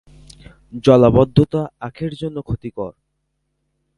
জলাবদ্ধতা আখের জন্য ক্ষতিকর।